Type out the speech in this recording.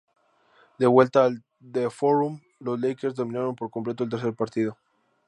De vuelta al The Forum, los Lakers dominaron por completo el tercer partido.